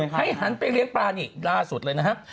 หันไปเลี้ยงปลานี่ล่าสุดเลยนะครับ